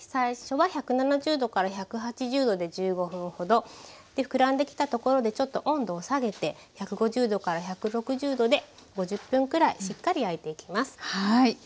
最初は１７０１８０℃で１５分ほど膨らんできたところでちょっと温度を下げて１５０１６０℃で５０分くらいしっかり焼いていきます。